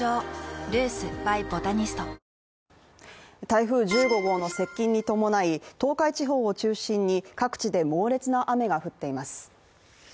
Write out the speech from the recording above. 台風１５号の接近に伴い東海地方を中心に、各地で猛烈な雨が降っています。